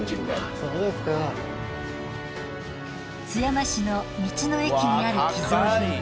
津山市の道の駅にある寄贈品。